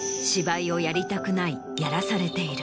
「やらされている」。